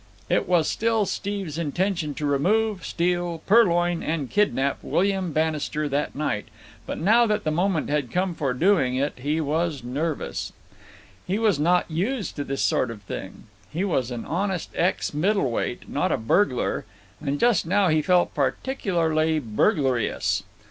It was still Steve's intention to remove, steal, purloin, and kidnap William Bannister that night, but now that the moment had come for doing it he was nervous. He was not used to this sort of thing. He was an honest ex middleweight, not a burglar; and just now he felt particularly burglarious.